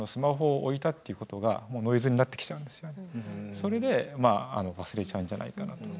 それで忘れちゃうんじゃないかなと。